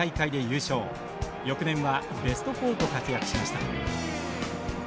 翌年はベスト４と活躍しました。